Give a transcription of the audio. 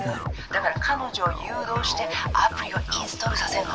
だから彼女を誘導してアプリをインストールさせるの。